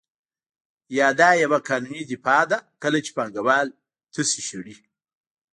یا دا یوه قانوني دفاع ده کله چې پانګوال تاسو شړي